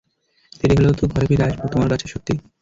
দেরি হলেও তো ঘরে ফিরে আসব, - তোমার কাছে - সত্যি?